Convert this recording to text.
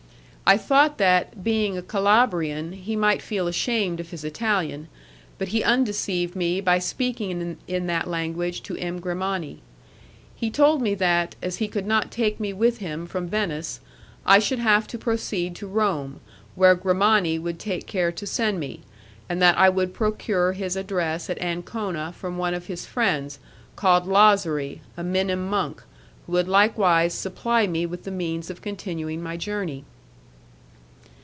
I thought that, being a Calabrian, he might feel ashamed of his Italian, but he undeceived me by speaking in that language to M. Grimani. He told me that, as he could not take me with him from Venice, I should have to proceed to Rome, where Grimani would take care to send me, and that I would procure his address at Ancona from one of his friends, called Lazari, a Minim monk, who would likewise supply me with the means of continuing my journey.